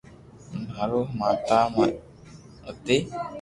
ماري ماتا ھتي